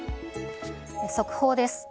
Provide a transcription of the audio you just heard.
速報です。